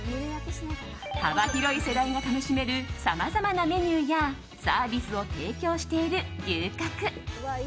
幅広い世代が楽しめるさまざまなメニューやサービスを提供している牛角。